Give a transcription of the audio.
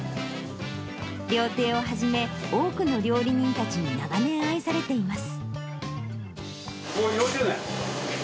料亭をはじめ、多くの料理人たちに長年愛されています。